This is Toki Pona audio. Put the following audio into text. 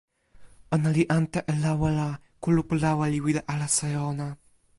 ona li ante e lawa la, kulupu lawa li wile alasa e ona.